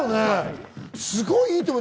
すごいいいと思う。